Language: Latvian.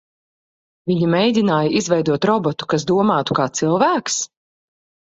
Viņi mēģināja izveidot robotu, kas domātu kā cilvēks?